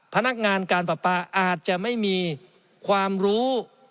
พนักงานการปรับปราส่วนภูมิภาคอาจจะไม่มีความรู้